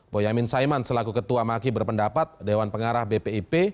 boyamin saiman selaku ketua maki berpendapat dewan pengarah bpip